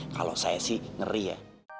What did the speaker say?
kalau saya sih ngeri ya